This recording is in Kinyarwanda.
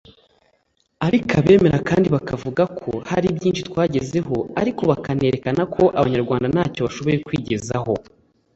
Ariko abemera kandi bakavuga ko hari byinshi twagezeho ariko bakanerekana ko Abanyarwanda ntacyo bashoboye kwigezaho